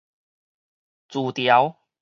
薯條